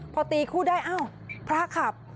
พอตีคู่ได้อ้าวพระขับ